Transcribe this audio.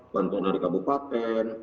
bantuan dari kabupaten